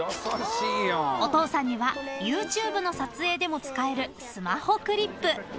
［お父さんにはＹｏｕＴｕｂｅの撮影でも使えるスマホクリップ］